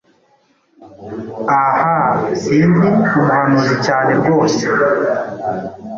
Ahaaa! Sindi umuhanuzi cyane rwose;